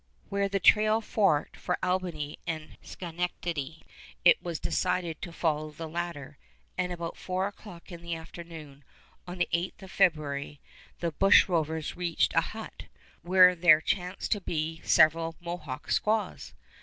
Where the trail forked for Albany and Schenectady it was decided to follow the latter, and about four o'clock in the afternoon, on the 8th of February, the bush rovers reached a hut where there chanced to be several Mohawk squaws.